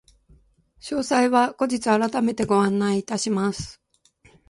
詳細は後日改めてご案内いたします。